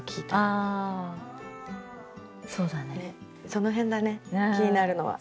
その辺だね気になるのは。